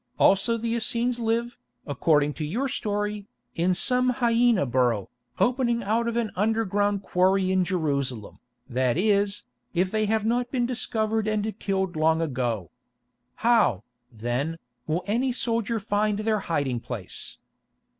Also the Essenes live, according to your story, in some hyæna burrow, opening out of an underground quarry in Jerusalem, that is, if they have not been discovered and killed long ago. How, then, will any soldier find their hiding place?"